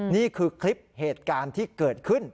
นี่คือคลิปเหตุการณ์ที่เกิดขึ้น